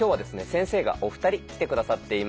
先生がお二人来て下さっています。